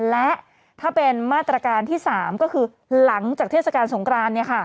และถ้าเป็นมาตรการที่๓ก็คือหลังจากเทศกาลสงคราน